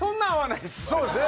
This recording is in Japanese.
そうですね。